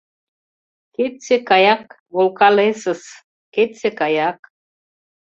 Кеце каяк волкалесыс, кеце каяк...